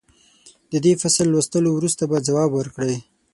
د دې فصل لوستلو وروسته به ځواب ورکړئ.